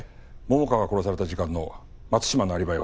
桃花が殺された時間の松島のアリバイは？